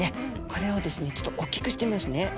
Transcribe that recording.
これをですねちょっと大きくしてみますね。